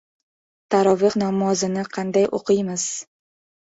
Tarovih namozini qanday o‘qiymiz?